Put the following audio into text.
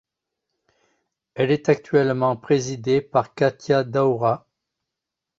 Elle est actuellement présidée par Katya Daura.